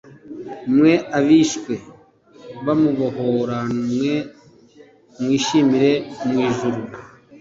mwe abishwe bamubohoramwe, mwishimire mu ijuru